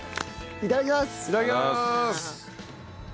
いただきまーす！